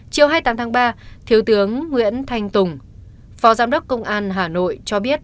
chiều hai mươi tám tháng ba thiếu tướng nguyễn thanh tùng phó giám đốc công an hà nội cho biết